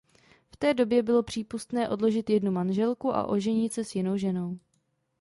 V té době bylo přípustné odložit jednu manželku a oženit se s jinou ženou.